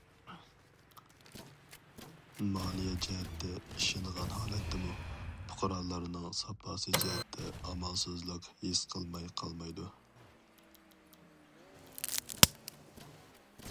مالىيە جەھەتتە ئېشىنغان ھالەتتىمۇ، پۇقرالارنىڭ ساپاسى جەھەتتە ئامالسىزلىق ھېس قىلماي قالمايدۇ.